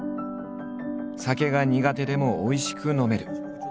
酒が苦手でもおいしく飲める。